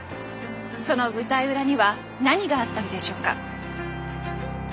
その舞台裏には何があったのでしょうか。